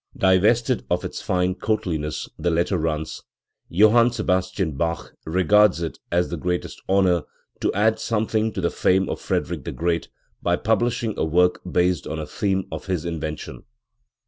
Divested of its fine courtliness, the letter runs: "Johann Sebastian Bach regards it as the greatest honour to add something to the fame of Frederick the Great by publishing a work based on a theme of his invention."